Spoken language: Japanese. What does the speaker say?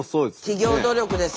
企業努力です。